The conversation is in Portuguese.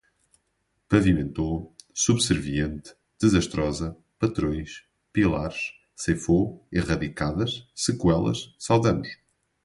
Pavimentou, subserviente, desastrosa, patrões, pilares, ceifou, erradicadas, sequelas, saudamos